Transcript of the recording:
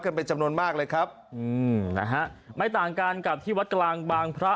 เป็นจำนวนมากเลยครับอืมนะฮะไม่ต่างกันกับที่วัดกลางบางพระ